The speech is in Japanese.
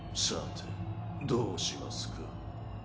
さてどうしますか？